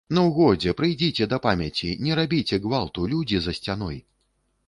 Ну, годзе, прыйдзіце да памяці, не рабіце гвалту, людзі за сцяной.